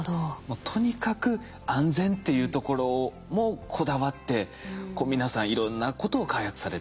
とにかく安全っていうところもこだわって皆さんいろんなことを開発されてるんですね。